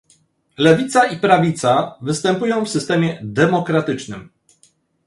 Lewica i prawica występują w systemie demokratycznym